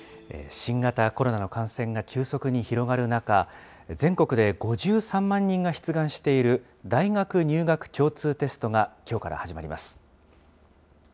新型コロナの感染が急速に広がる中、全国で５３万人が出願している大学入学共通テストが、きょうから始まります。